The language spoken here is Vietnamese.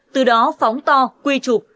từ đó phóng to quy trục